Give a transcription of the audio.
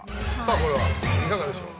これは、いかがでしょう。